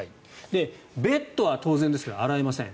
ベッドは当然ですけれど洗えません。